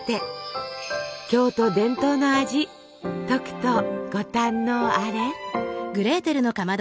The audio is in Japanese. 京都伝統の味とくとご堪能あれ！